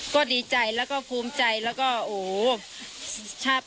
ก็ดีใจแล้วก็ภูมิใจแล้วก็โอ้โหชอบ